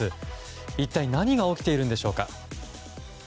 一体何が起きているんでしょうか。